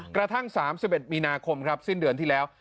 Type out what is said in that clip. กระทั่ง๓๑มีนาคมครับสิ้นเดือนที่แล้ว